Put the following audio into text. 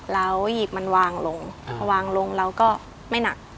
แล้วหยิบมันวางลงพอวางลงเราก็ไม่หนัก